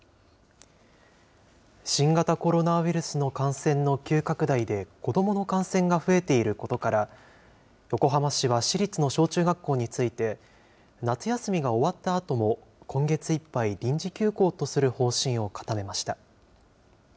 新型コロナウイルスの感染の急拡大で、子どもの感染が増えていることから、横浜市は市立の小中学校について、夏休みが終わったあとも、今月いっぱい、臨時休校とする方針を固めました。